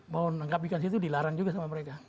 mau menangkap ikan di situ dilarang juga sama mereka